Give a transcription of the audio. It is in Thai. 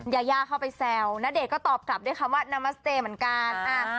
ยายาเข้าไปแซวณเดชน์ก็ตอบกลับด้วยคำว่านามัสเจเหมือนกัน